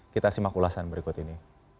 kita simak ulasan berikut ini